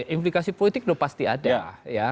inflikasi politik pasti ada ya